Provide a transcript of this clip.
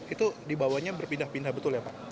itu dibawanya berpindah pindah betul ya pak